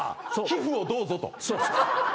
皮膚をどうぞと？